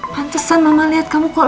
pantesan mama lihat kamu kok